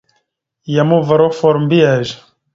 Yam uvar offor mbiyez.